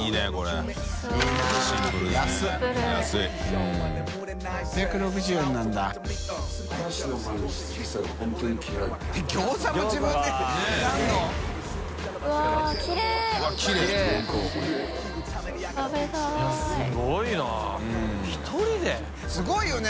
佑如すごいよね